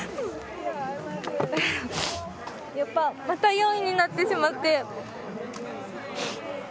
また４位になってしまって。